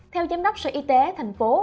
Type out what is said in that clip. theo giám đốc sở y tế thành phố